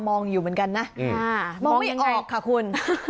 มองมายังไงค่ะคุณ